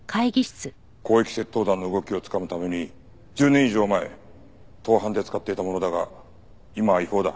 広域窃盗団の動きをつかむために１０年以上前盗犯で使っていたものだが今は違法だ。